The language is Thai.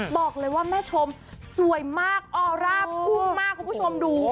บอกเลยว่าแม่ชมสวยมากออร่าพุ่งมากคุณผู้ชมดู